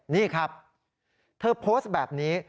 นี่ครับเธอโพสต์แบบนี้